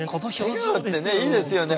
笑顔ってねいいですよね。